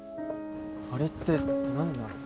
あれって何なの？